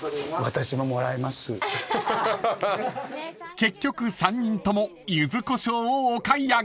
［結局３人とも柚子胡椒をお買い上げ］